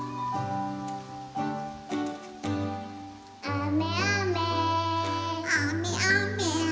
「あめあめ」あめあめ。